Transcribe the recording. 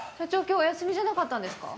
今日お休みじゃなかったんですか？